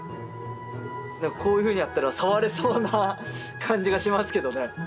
何かこういうふうにやったら触れそうな感じがしますけどね。